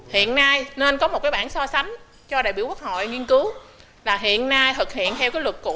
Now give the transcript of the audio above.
hiện nay nên có một cái bản so sánh cho đại biểu quốc hội nghiên cứu là hiện nay thực hiện theo cái luật cũ